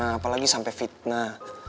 apalagi sampai fitnah